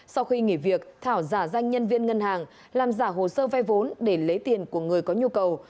sau khi nghỉ việc thảo giả danh nhân viên ngân hàng làm giả hồ sơ vay vốn để lấy tiền của người có nhu cầu